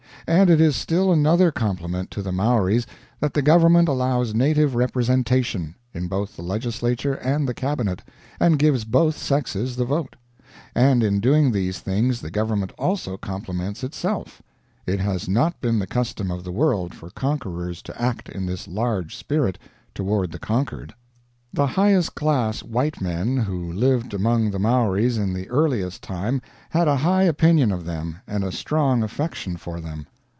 And it is still another compliment to the Maoris that the Government allows native representation in both the legislature and the cabinet, and gives both sexes the vote. And in doing these things the Government also compliments itself; it has not been the custom of the world for conquerors to act in this large spirit toward the conquered. The highest class white men who lived among the Maoris in the earliest time had a high opinion of them and a strong affection for them.